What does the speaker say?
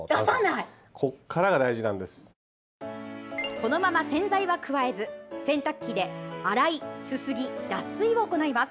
このまま洗剤は加えず洗濯機で洗い、すすぎ、脱水を行います。